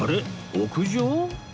屋上？